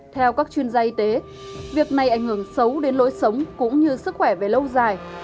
theo các chuyên gia y tế việc này ảnh hưởng xấu đến lối sống cũng như sức khỏe về lâu dài